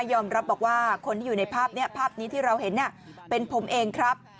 ยอมรับบอกว่าคนที่อยู่ในภาพนี้ภาพนี้ที่เราเห็นเป็นผมเองครับ